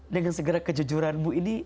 dengan segera kejujuranmu ini